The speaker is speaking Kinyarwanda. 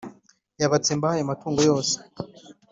Yabatsembaho ayo matungo yose